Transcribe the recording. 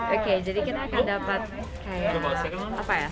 oke jadi kita akan dapat informasi apa ya